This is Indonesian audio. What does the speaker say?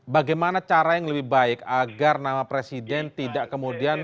bagaimana cara yang lebih baik agar nama presiden tidak kemudian